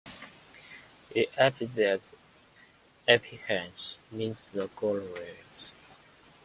The epithet "Epiphanes" means "the Glorious".